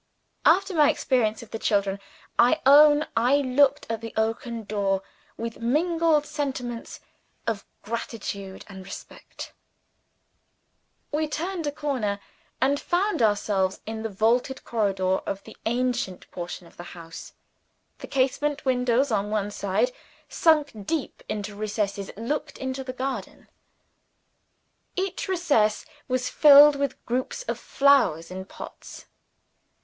After my experience of the children, I own I looked at the oaken door with mingled sentiments of gratitude and respect. We turned a corner, and found ourselves in the vaulted corridor of the ancient portion of the house. The casement windows, on one side sunk deep in recesses looked into the garden. Each recess was filled with groups of flowers in pots.